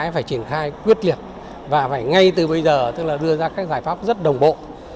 phải triển khai quyết liệt và phải ngay từ bây giờ tức là đưa ra các giải pháp rất đồng bộ